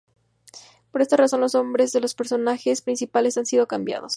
Por esta razón los nombres de los personajes principales han sido cambiados.